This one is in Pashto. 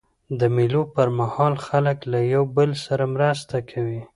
د مېلو پر مهال خلک له یوه بل سره مرسته کوي.